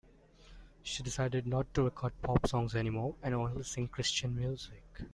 She decided not to record pop songs anymore and only sing Christian music.